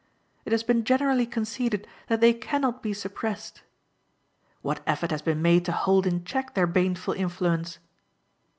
It has been generally conceded that they can not be suppressed. What effort has been made to hold in check their baneful influence?